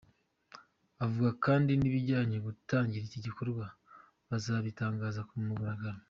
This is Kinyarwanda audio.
Avuga kandi nibajya gutangira iki gikorwa bazabitangaza ku mugaragaro.